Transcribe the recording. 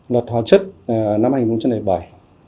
luật hóa chất năm hai nghìn bảy là một luật hóa chất đặc biệt